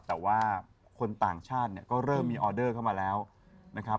แต่ว่าคนต่างชาติเนี่ยก็เริ่มมีออเดอร์เข้ามาแล้วนะครับ